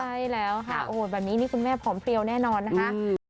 ใช่แล้วค่ะโอ้โหแบบนี้นี่คุณแม่ผอมเพลียวแน่นอนนะคะ